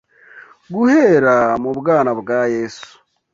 Guhera mu bwana bwa Yesu